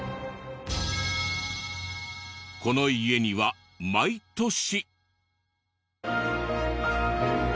この家には毎年。